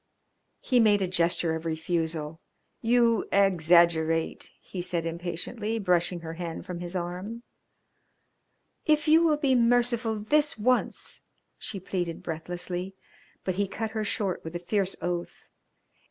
He made a gesture of refusal. "You exaggerate," he said impatiently, brushing her hand from his arm. "If you will be merciful this once ." she pleaded breathlessly, but he cut her short with a fierce oath.